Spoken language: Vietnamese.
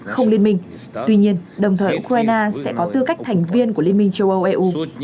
không liên minh tuy nhiên đồng thời ukraine sẽ có tư cách thành viên của liên minh châu âu eu